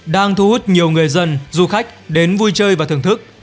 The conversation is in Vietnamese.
đang thu hút nhiều người dân du khách đến vui chơi và thưởng thức